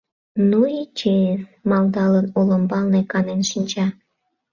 — Ну и чес! — малдалын, олымбалне канен шинча.